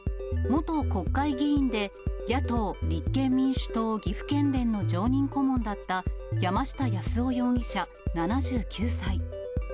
元国会議員で、野党・立憲民主党岐阜県連の常任顧問だった、山下八洲夫容疑者７９歳。